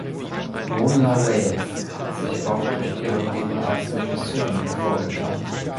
Mona Wales hat sich auch durch ihre Rolle als Regisseurin hervorgetan.